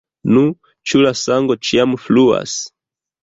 Nu, ĉu la sango ĉiam fluas?